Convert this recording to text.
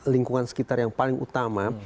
lingkungan sekitar yang paling utama